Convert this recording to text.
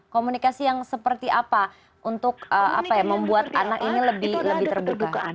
komunikasi yang seperti apa untuk membuat anak ini lebih terbuka